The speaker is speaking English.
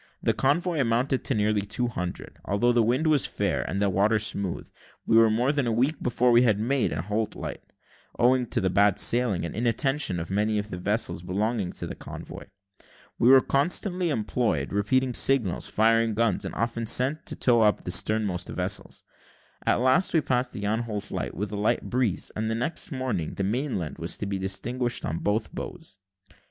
The convoy amounted to nearly two hundred. Although the wind was fair, and the water smooth, we were more than a week before we made Anholt light, owing to the bad sailing and inattention of many of the vessels belonging to the convoy. We were constantly employed repeating signals, firing guns, and often sent back to tow up the sternmost vessels. At last we passed the Anholt light, with a light breeze; and the next morning, the mainland was to be distinguished on both bows.